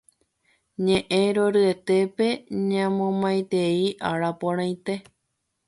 Ñe'ẽ roryetépe ñamomaitei ára porãite.